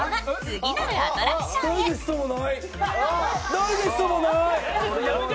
ダイジェストもない！